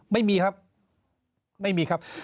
ไม่มีครับไม่มีครับ